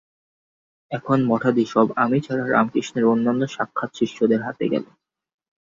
এখন মঠাদি সব আমি ছাড়া রামকৃষ্ণের অন্যান্য সাক্ষাৎ শিষ্যদের হাতে গেল।